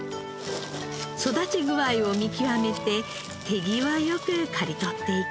育ち具合を見極めて手際良く刈り取っていきます。